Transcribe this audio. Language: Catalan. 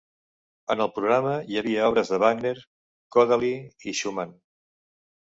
En el programa hi havia obres de Wagner, Kodály i Schumann.